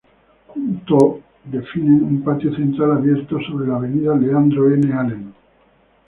Juntos definen un patio central abierto, sobre la avenida Leandro N. Alem.